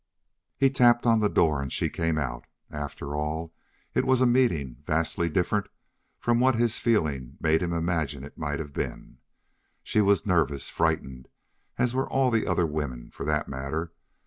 He tapped on the door and she came out. After all, it was a meeting vastly different from what his feeling made him imagine it might have been. She was nervous, frightened, as were all the other women, for that matter.